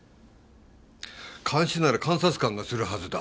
監視なら監察官がするはずだ。